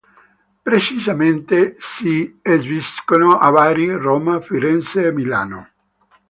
Precisamente si esibiscono a Bari, Roma, Firenze e Milano.